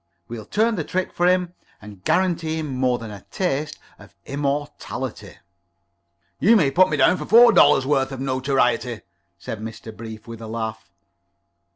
We'll turn the trick for him, and guarantee him more than a taste of immortality." "You may put me down for four dollars' worth of notoriety," said Mr. Brief, with a laugh.